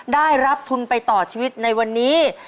ได้รับทุนไปต่อชีวิตในวันนี้